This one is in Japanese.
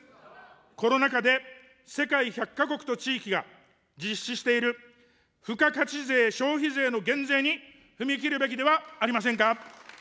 コロナ禍で世界１００か国と地域が実施している付加価値税、消費税の減税に踏み切るべきではありませんか。